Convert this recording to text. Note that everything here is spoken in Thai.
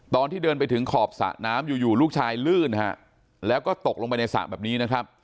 ตอนที่เดินไปถึงขอบสระน้ำอยู่อยู่ลูกชายลื่นฮะแล้วก็ตกลงไปในสระแบบนี้นะครับ